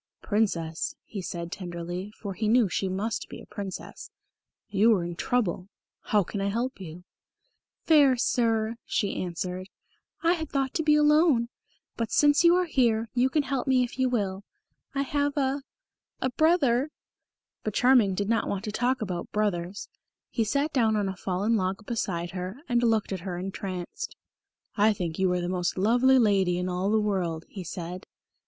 "Princess," he said tenderly, for he knew she must be a Princess, "you are in trouble. How can I help you?" "Fair Sir," she answered, "I had thought to be alone. But, since you are here, you can help me if you will. I have a a brother " But Charming did not want to talk about brothers. He sat down on a fallen log beside her, and looked at her entranced. "I think you are the most lovely lady in all the world," he said.